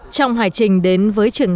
trong hải trình đến với trường